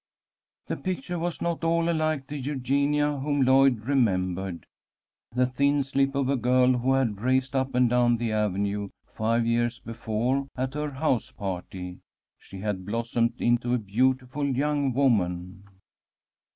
The picture was not at all like the Eugenia whom Lloyd remembered, the thin slip of a girl who had raced up and down the avenue five years before at her house party. She had blossomed into a beautiful young woman.